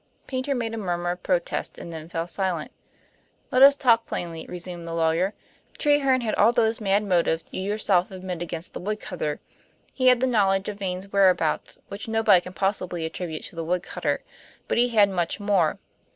Paynter made a murmur of protest, and then fell silent. "Let us talk plainly," resumed the lawyer. "Treherne had all those mad motives you yourself admit against the woodcutter. He had the knowledge of Vane's whereabouts, which nobody can possibly attribute to the woodcutter. But he had much more.